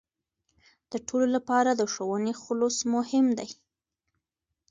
د ټولو لپاره د ښوونې خلوص مهم دی.